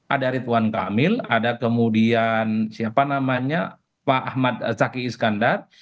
ada ridwan kamil ada kemudian siapa namanya pak ahmad zaki iskandar